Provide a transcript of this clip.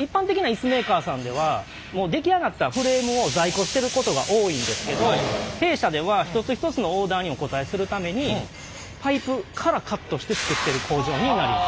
一般的なイスメーカーさんではもう出来上がったフレームを在庫してることが多いんですけど弊社では一つ一つのオーダーにお応えするためにパイプからカットして作ってる工場になります。